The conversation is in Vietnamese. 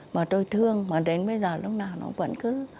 mà trôi thương mà đến bây giờ lúc nào nó vẫn cứ